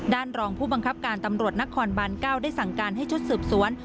รองผู้บังคับการตำรวจนครบาน๙ได้สั่งการให้ชุดสืบสวน